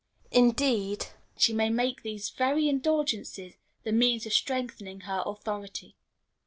Indeed, she may make these very indulgences the means of strengthening her authority.